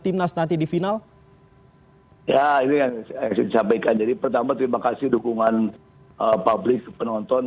timnas nanti di final ya itu yang saya sampaikan jadi pertama terima kasih dukungan publik penonton